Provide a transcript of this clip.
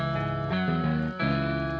ustaz itu bagaimana bang